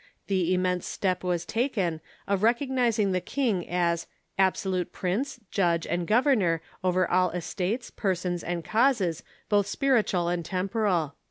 The immense step was taken of recognizing the king as 'absolute prince, judge, and governor over all es tates, persons, and causes, both spiritual and temporal.'